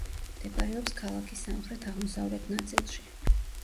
მდებარეობს ქალაქის სამხრეთ-აღმოსავლეთ ნაწილში.